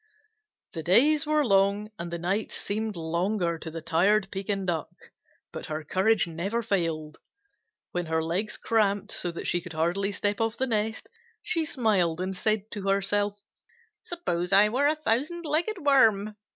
The days were long and the nights seemed longer to the tired Pekin Duck, but her courage never failed. When her legs cramped so that she could hardly step off the nest, she smiled and said to herself, "Suppose I were a Thousand Legged Worm!"